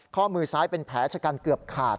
ข้อมือซ้ายเป็นแผลชะกันเกือบขาด